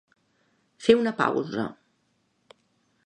Fer una pausa.